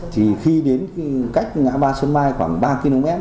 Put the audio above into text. thì khi đến cách ngã ba xuân mai khoảng ba km